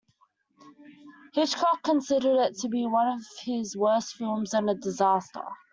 Hitchcock considered it to be one of his worst films and a disaster.